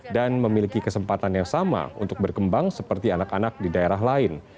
dan memiliki kesempatan yang sama untuk berkembang seperti anak anak di daerah lain